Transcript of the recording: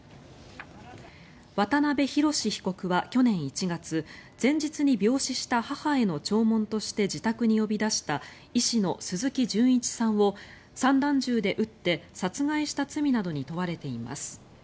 渡邊宏被告は去年１月前日に病死した母への弔問として自宅に呼び出した医師の鈴木純一さんを散弾銃で撃って殺害した罪などに問われています。